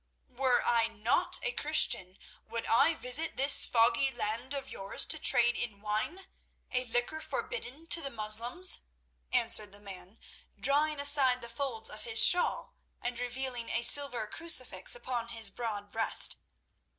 "Were I not a Christian would I visit this foggy land of yours to trade in wine—a liquor forbidden to the Moslems?" answered the man, drawing aside the folds of his shawl and revealing a silver crucifix upon his broad breast.